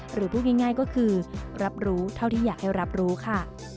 หรือพูดง่ายก็คือรับรู้เท่าที่อยากให้รับรู้ค่ะ